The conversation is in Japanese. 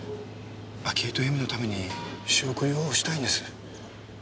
明恵と恵美のために仕送りをしたいんです。